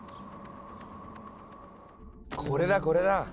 これだこれだ！